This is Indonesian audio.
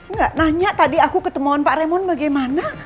nggak nanya tadi aku ketemuan pak remon bagaimana